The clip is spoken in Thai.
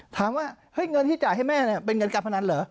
ถามว่าเงินที่จ่ายให้แม่เป็นเงินการพนันเหรอ